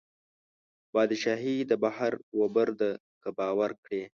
بادشاهي د بحر وبر ده که باور کړې